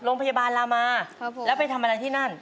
โรงพยาบาลลามาแล้วไปทำอะไรที่นั่น